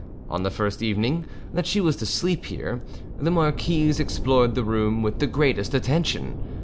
On the first evening that she was to sleep here, the marquise explored the room with the greatest attention.